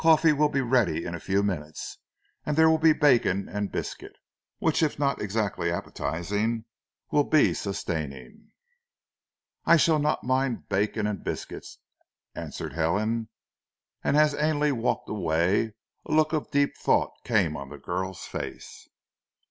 Coffee will be ready in a few minutes; and there will be bacon and biscuit, which if not exactly appetising will be sustaining." "I shall not mind bacon and biscuit," answered Helen, and as Ainley walked away a look of deep thought came on the girl's face.